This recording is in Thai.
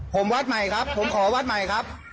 ผมวัดใหม่ครับผมขอวัดใหม่ครับ